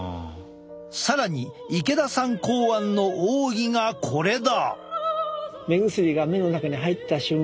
更に池田さん考案の奥義がこれだ！